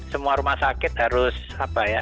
semua rumah sakit harus apa ya